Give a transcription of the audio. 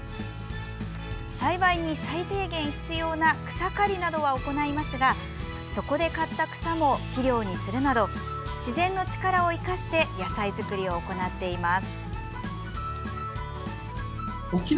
栽培に最低限必要な草刈りなどは行いますがそこで刈った草も肥料にするなど自然の力を生かして野菜作りを行っています。